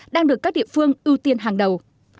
đang được các địa phương ưu tiên hàng đầu